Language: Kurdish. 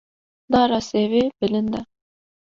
Dara sêvê bilind e.